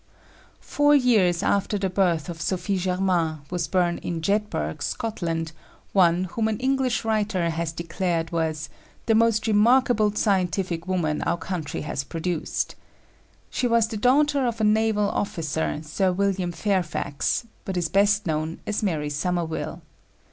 Four years after the birth of Sophie Germain was born in Jedburgh, Scotland, one whom an English writer has declared was "the most remarkable scientific woman our country has produced." She was the daughter of a naval officer, Sir William Fairfax; but is best known as Mary Somerville.